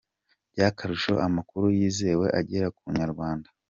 By'akarusho amakuru yizewe agera ku Inyarwanda.